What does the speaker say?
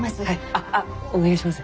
あっあお願いします。